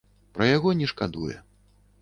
Пра яго не шкадуе.